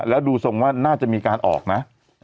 แล้วดูทรงว่าน่าจะมีการออกนะ